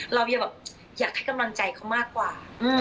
เรายังแบบอยากให้กำลังใจเขามากกว่า